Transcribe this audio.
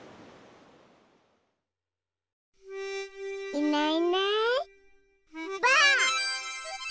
いないいないばあっ！